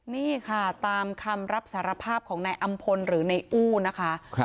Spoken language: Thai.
นี่ค่ะตามคำรับสารภาพของนายอำพลหรือในอู้นะคะ